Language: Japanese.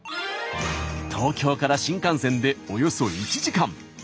東京から新幹線でおよそ１時間。